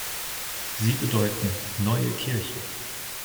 Sie bedeuten "neue Kirche".